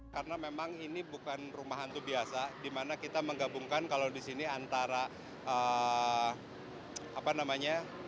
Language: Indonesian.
karena memang ini bukan rumah hantu biasa dimana kita menggabungkan kalau disini antara